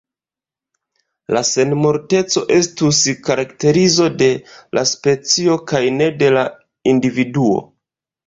La senmorteco estus karakterizo de la specio kaj ne de la individuo.